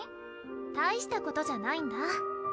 大したことじゃないんだ